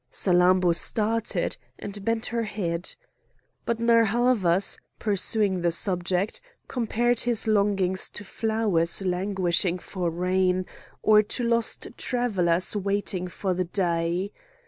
Salammbô started, and bent her head. But Narr' Havas, pursuing the subject, compared his longings to flowers languishing for rain, or to lost travellers waiting for the day.